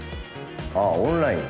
ああオンライン。